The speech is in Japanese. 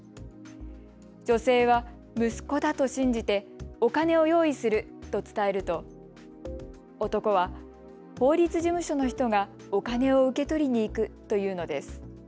女性は息子だと信じてお金を用意すると伝えると男は法律事務所の人がお金を受け取りに行くと言うのです。